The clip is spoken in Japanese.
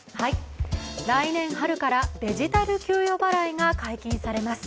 来年春から、デジタル給与払いが解禁されます。